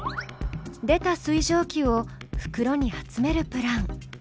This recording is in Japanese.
出た水蒸気をふくろに集めるプラン。